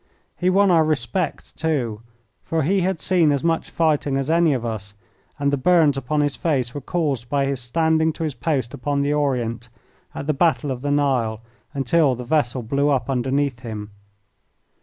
He won our respect, too, for he had seen as much fighting as any of us, and the burns upon his face were caused by his standing to his post upon the Orient, at the Battle of the Nile, until the vessel blew up underneath him.